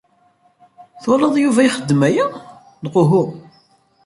Twalaḍ Yuba ixeddem aya, neɣ uhu?